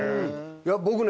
いや僕ね